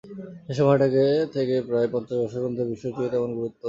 সে সময় থেকে প্রায় পঞ্চাশ বছর পর্যন্ত বিষয়টিকে তেমন গুরুত্ব দেওয়া হয় নি।